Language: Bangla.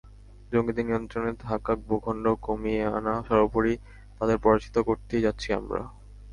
জঙ্গিদের নিয়ন্ত্রণে থাকা ভূখণ্ড কমিয়ে আনা সর্বোপরি তাদের পরাজিত করতেই যাচ্ছি আমরা।